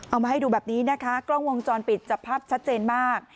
เอามาให้ดูแบบนี้นะคะกล้องวงจรปิดจับภาพชัดเจนมาก